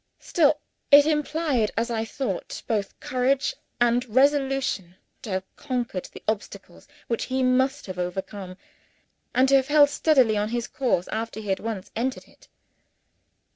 Still, it implied, as I thought, both courage and resolution to have conquered the obstacles which he must have overcome, and to have held steadily on his course after he had once entered it.